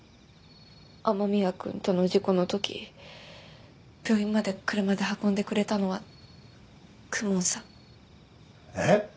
雨宮君との事故のとき病院まで車で運んでくれたのは公文さんえっ？